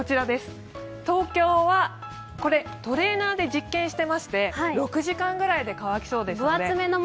東京はトレーナーで実験していまして６時半ぐらいに乾きそうです。